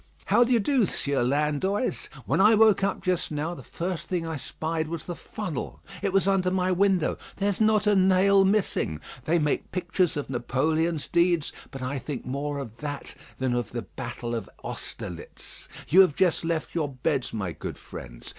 How d'ye do, Sieur Landoys? When I woke up just now, the first thing I spied was the funnel. It was under my window. There's not a nail missing. They make pictures of Napoleon's deeds; but I think more of that than of the battle of Austerlitz. You have just left your beds, my good friends.